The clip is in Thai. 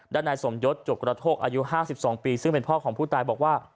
นายสมยศจกกระโทกอายุ๕๒ปีซึ่งเป็นพ่อของผู้ตายบอกว่า